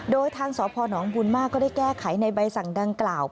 โดยทางสพนบุญมากก็ได้แก้ไขในใบสั่งดังกล่าว